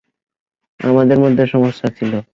আমাদের মধ্যে সমস্যা ছিল।